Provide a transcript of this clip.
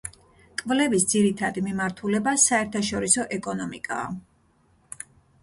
კვლევის ძირითადი მიმართულება საერთაშორისო ეკონომიკაა.